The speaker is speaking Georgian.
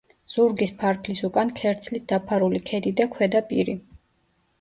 ზურგის ფარფლის უკან ქერცლით დაფარული ქედი და ქვედა პირი.